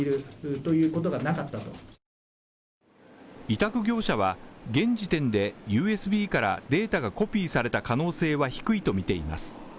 委託業者は現時点でＵＳＢからデータがコピーされた可能性は低いとみています。